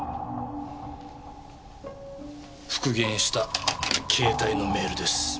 復元した携帯のメールです。